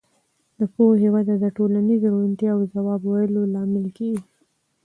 د پوهې وده د ټولنیزې روڼتیا او ځواب ویلو لامل کېږي.